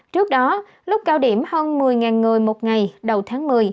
trước đó lúc cao điểm hơn một mươi người một ngày đầu tháng một mươi